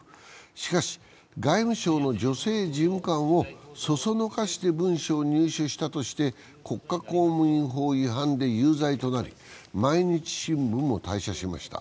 しかし、外務省の女性事務官をそそのかして文書を入手したとして国家公務員法違反で有罪となり、毎日新聞も退社しました。